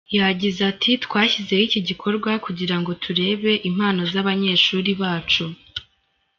Yagize ati “Twashyizeho iki gikorwa kugira ngo turebe impano z’abanyeshuri bacu.